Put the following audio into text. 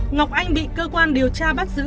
ngọc anh bị cơ quan điều tra bắt giữ